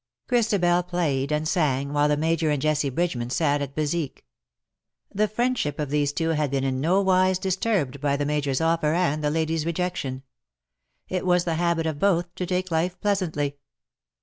Christabel played and sang, while the Major and Jessie Bridgeman sat at bezique. The friendship of these two had been in no wise disturbed by the Major's offer, and the lady's rejection. It was the habit of both to take life pleasantly.